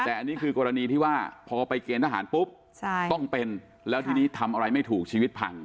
แต่อันนี้คือกรณีที่ว่าพอไปเกณฑ์ทหารปุ๊บต้องเป็นแล้วทีนี้ทำอะไรไม่ถูกชีวิตพัง